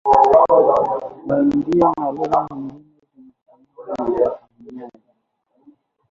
Waindio na lugha nyingine zinatumiwa na wahamiaji